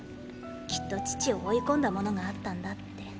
きっと父を追い込んだものがあったんだって。